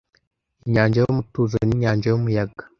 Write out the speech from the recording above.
Inyanja yumutuzo 'ninyanja yumuyaga'